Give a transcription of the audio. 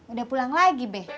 udah pulang lagi be